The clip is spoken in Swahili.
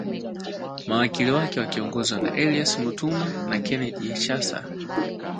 mawakili wake wakiongozwa na Elias Mutuma na Kennedy Echasa